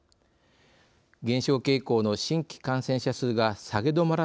減少傾向の新規感染者数が下げ止まら